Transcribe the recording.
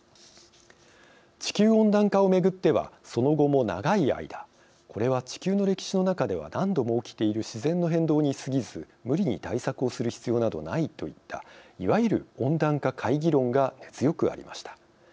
地球温暖化をめぐってはその後も長い間これは地球の歴史の中では何度も起きている自然の変動に過ぎず無理に対策をする必要など無いといったいわゆる温暖化懐疑論が根強くありました。